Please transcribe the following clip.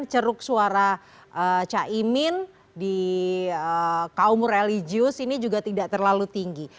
ceruk suara caimin di kaum religius ini juga tidak terlalu tinggi